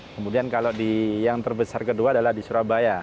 kemudian kalau yang terbesar kedua adalah di surabaya